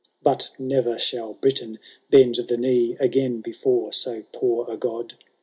But ne'er shall Briton bend the knee Again before so poor a god."